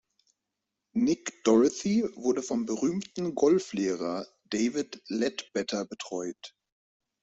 Nick Dougherty wurde vom berühmten Golflehrer David Leadbetter betreut.